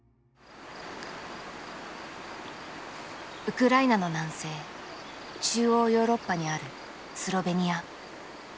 ウクライナの南西中央ヨーロッパにあるスロベニア。